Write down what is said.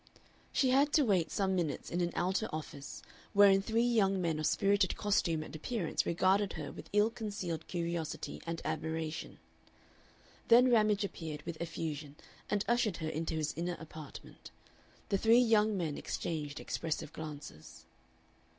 She had to wait some minutes in an outer office, wherein three young men of spirited costume and appearance regarded her with ill concealed curiosity and admiration. Then Ramage appeared with effusion, and ushered her into his inner apartment. The three young men exchanged expressive glances.